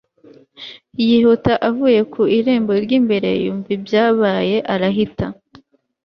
yihuta avuye ku irembo ry'imbere, yumva ibyabaye arahita